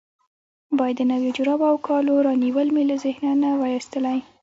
باید د نویو جرابو او کالو رانیول مې له ذهنه نه وای ایستلي.